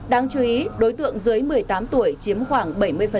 đáng chú ý đối tượng dưới một mươi tám tuổi chiếm khoảng bảy mươi